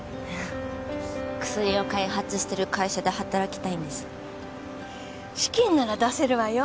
薬を開発してる会社で働きたいんです資金なら出せるわよ